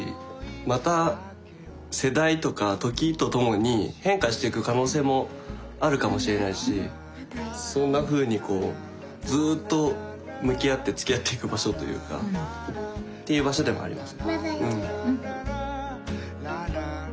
また世代とか時とともに変化していく可能性もあるかもしれないしそんなふうにこうずっと向き合って付き合っていく場所というかっていう場所でもあります。